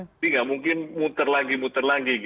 tapi gak mungkin muter lagi muter lagi